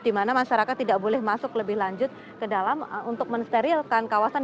di mana masyarakat tidak boleh masuk lebih lanjut ke dalam untuk mensterilkan kawasan